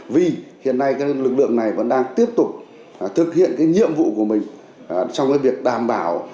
vì hiện nay lực lượng này vẫn đang tiếp tục thực hiện nhiệm vụ của mình trong việc đảm bảo